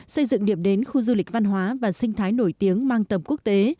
xây dựng điểm đến khu du lịch văn hóa và sinh thái nổi tiếng mang tầm quốc tế